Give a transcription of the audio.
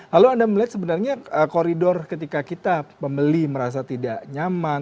lalu anda melihat sebenarnya koridor ketika kita pembeli merasa tidak nyaman